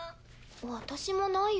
私もないよ。